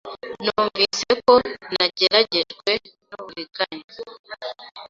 Numvise ko nageragejwe n'uburiganya